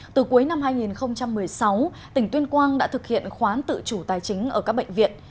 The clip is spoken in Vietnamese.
từ cuối năm hai nghìn một mươi sáu tỉnh tuyên quang đã thực hiện khoán tự chủ tài chính ở các bệnh viện